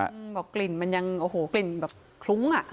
บอกกลิ่นมันยังโอ้โหกลิ่นแบบคลุ้งอ่ะ